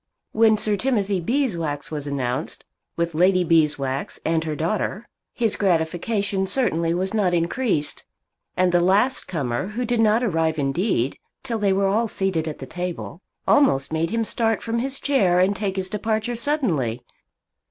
When Sir Timothy Beeswax was announced, with Lady Beeswax and her daughter, his gratification certainly was not increased. And the last comer, who did not arrive indeed till they were all seated at the table, almost made him start from his chair and take his departure suddenly.